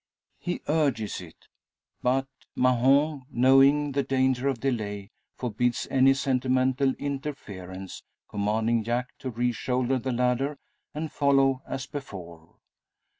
He urges it; but Mahon, knowing the danger of delay, forbids any sentimental interference, commanding Jack to re shoulder the ladder and follow as before.